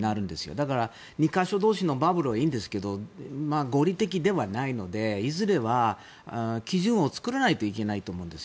だから、２か所同士のバブルはいいんですが合理的ではないのでいずれは基準を作らないといけないと思うんですよ。